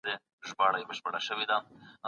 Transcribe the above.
تخنیک د کار اسانتیا لپاره پراخ کارول کېږي.